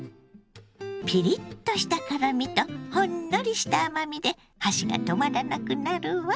ピリッとした辛みとほんのりした甘みで箸が止まらなくなるわ。